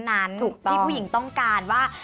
นั้นที่ผู้หญิงต้องการว่า